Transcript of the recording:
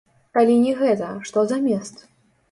Калі не гэта, што замест?